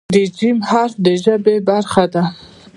د "ج" حرف د ژبې برخه ده.